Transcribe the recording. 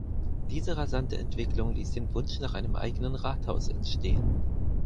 Diese rasante Entwicklung ließ den Wunsch nach einem eigenen Rathaus entstehen.